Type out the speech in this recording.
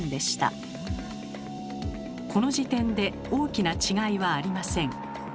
この時点で大きな違いはありません。